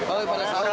oh pada sahur